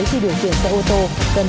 khi điều kiện xe ô tô cần